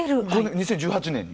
２０１８年に？